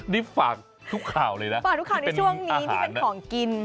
นี่ฝากทุกข่าวเลยนะฝากทุกข่าวในช่วงนี้ที่เป็นของกิน